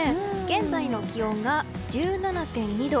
現在の気温が１７．２度。